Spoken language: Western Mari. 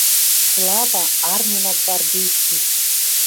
Слава, арминӓ гвардейский!